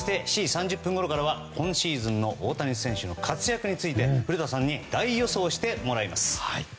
７時３０分ごろから今シーズンの大谷選手の活躍について古田さんに大予想してもらいます。